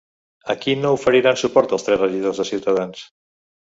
A qui no oferiran suport els tres regidors de Ciutadans?